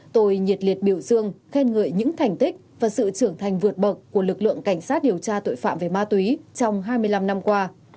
tôi nhiệt liệt biểu dương khen ngợi những thành tích và sự trưởng thành vượt bậc của lực lượng cảnh sát điều tra tội phạm về ma túy trong hai mươi năm năm qua